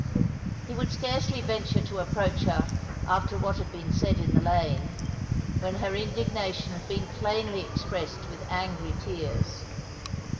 He would scarcely venture to approach her after what had been said in the lane, when her indignation had been plainly expressed with angry tears.